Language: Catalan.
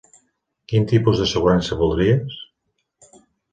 Quin tipus d'assegurança voldries?